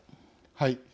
はい。